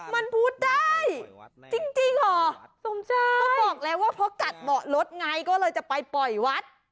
มันพูดได้จริงเหรอก็บอกแล้วว่าเพราะกัดเบาะรถไงก็เลยจะไปปล่อยวัด